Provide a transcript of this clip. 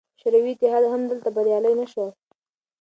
شوروي اتحاد هم دلته بریالی نه شو.